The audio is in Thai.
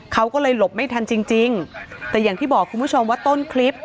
เขาก็เลยหลบไม่ทันจริงจริงแต่อย่างที่บอกคุณผู้ชมว่าต้นคลิป